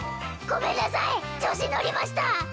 ごめんなさい調子に乗りました